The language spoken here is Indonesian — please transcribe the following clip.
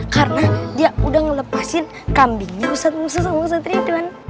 karena dia udah ngelepasin kambingnya ustadz musa sama ustadz ridwan